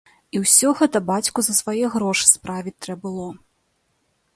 І ўсё гэта бацьку за свае грошы справіць трэ было.